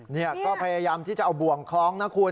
นี่ก็พยายามที่จะเอาบ่วงคล้องนะคุณ